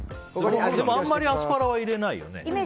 でも、あんまりアスパラは入れないよね。